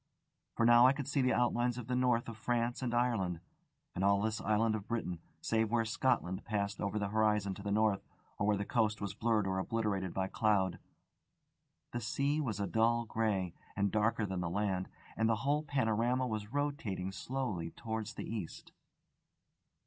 For now I could see the outlines of the north of France and Ireland, and all this Island of Britain, save where Scotland passed over the horizon to the north, or where the coast was blurred or obliterated by cloud. The sea was a dull grey, and darker than the land; and the whole panorama was rotating slowly towards the east.